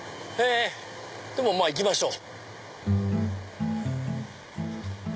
でもまぁ行きましょう。